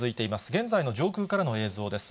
現在の上空からの映像です。